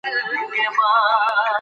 د افغانستان پښتو ډېره پرمختللې ده.